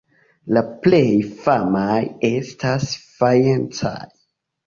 La plej famaj estas fajencaj.